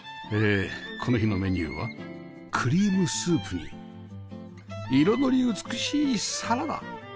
この日のメニューはクリームスープに彩り美しいサラダ